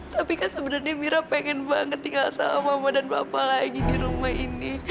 tapi kan sebenarnya mira pengen banget tinggal sama mama dan bapak lagi di rumah ini